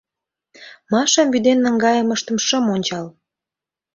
Машам вӱден наҥгайымыштым шым ончал.